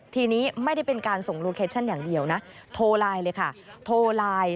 ทีนี้ไม่ได้เป็นการส่งโลเคชั่นอย่างเดียวนะโทรไลน์เลยค่ะโทรไลน์